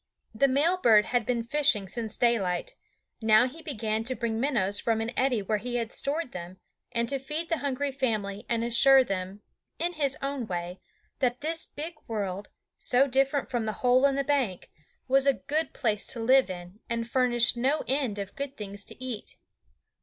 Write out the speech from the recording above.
The male bird had been fishing since daylight; now he began to bring minnows from an eddy where he had stored them, and to feed the hungry family and assure them, in his own way, that this big world, so different from the hole in the bank, was a good place to live in, and furnished no end of good things to eat.